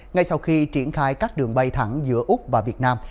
ngay sau khi triển khai các đường bay thẳng giữa úc và việt nam